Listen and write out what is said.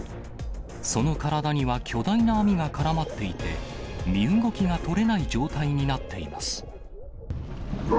その体には巨大な網が絡まっていて、身動きが取れない状態になっています。